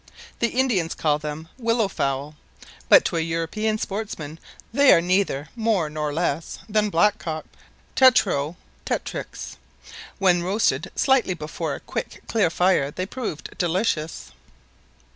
The Indians call them willow fowl; but to a European sportsman they are neither more nor less than blackcock (Tetrao tetrix). When roasted slightly before a quick clear fire they proved delicious.